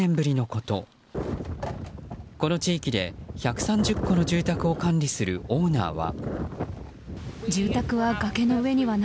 この地域で１３０戸の住宅を管理するオーナーは。